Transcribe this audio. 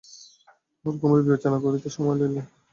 হরকুমার বিবেচনা করিতে সময় লইলেন।